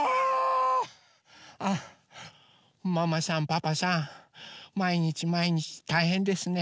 ママさんパパさんまいにちまいにちたいへんですね。